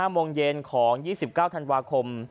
โมงเย็นของ๒๙ธันวาคม